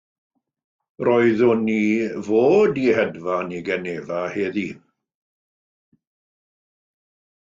Roeddwn i fod i hedfan i Genefa heddiw.